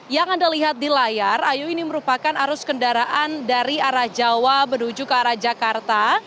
yang anda lihat di layar ayu ini merupakan arus kendaraan dari arah jawa menuju ke arah jakarta